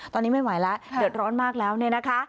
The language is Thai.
ตอนนี้ไม่ไหวแล้วเดือดร้อนมากแล้วเนี่ยนะคะ